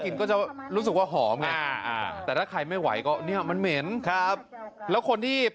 และเรื่องของการเชี่ยวนำปูหน้านี้